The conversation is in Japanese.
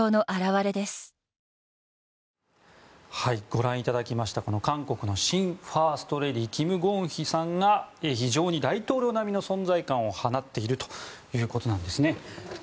ご覧いただきました韓国の新ファーストレディーキム・ゴンヒさんが非常に大統領並みの存在感を放っているということなんですね。